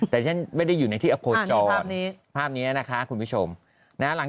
แต่ฉันไม่ได้อยู่ในที่อโคจรภาพนี้นะคะคุณผู้ชมนะหลัง